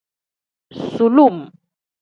Sulum.